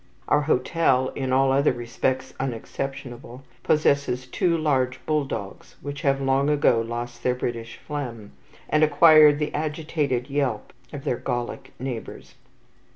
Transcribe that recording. Our hotel in all other respects unexceptionable possesses two large bulldogs which have long ago lost their British phlegm, and acquired the agitated yelp of their Gallic neighbours.